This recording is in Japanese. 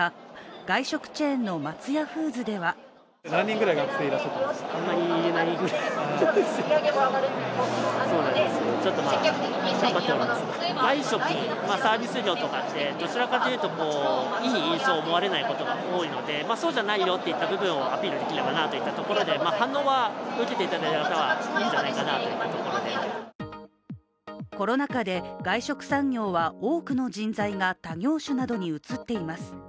外食チェーンの松屋フーズではコロナ禍で外食産業は多くの人材が他業種などに移っています。